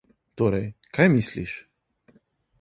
Torej, kaj misliš?